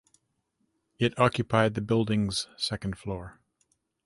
It occupied the building’s second floor.